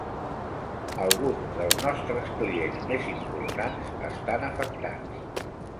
Alguns dels nostres clients més importants estan afectats.